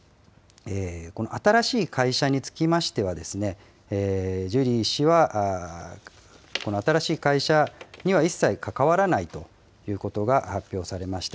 新しい会社につきましては、ジュリー氏はこの新しい会社には一切関わらないということが発表されました。